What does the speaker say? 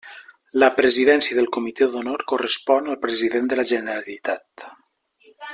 La presidència del Comité d'Honor correspon al president de la Generalitat.